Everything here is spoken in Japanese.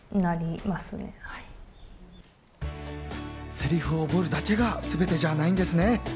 セリフを覚えるだけがすべてじゃないんですね。